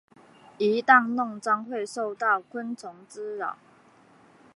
一旦弄脏会受到昆虫滋扰。